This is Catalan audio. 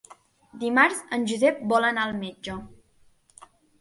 Dimarts en Josep vol anar al metge.